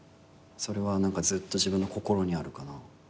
それは何かずっと自分の心にあるかな。